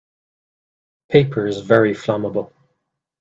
Paper is very flammable.